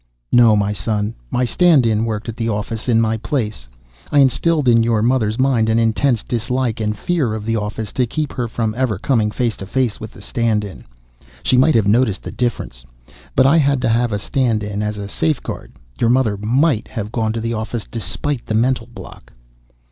"No, my son. My stand in worked at the office in my place. I instilled in your mother's mind an intense dislike and fear of the office to keep her from ever coming face to face with the stand in. She might have noticed the difference. But I had to have a stand in, as a safeguard. Your mother might have gone to the office despite the mental block."